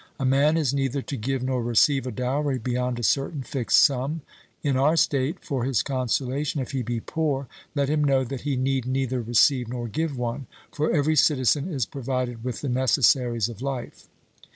A man is neither to give nor receive a dowry beyond a certain fixed sum; in our state, for his consolation, if he be poor, let him know that he need neither receive nor give one, for every citizen is provided with the necessaries of life.